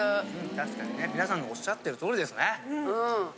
・確かにね皆さんがおっしゃってる通りですね・